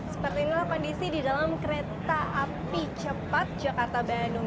seperti inilah kondisi di dalam kereta api cepat jakarta bandung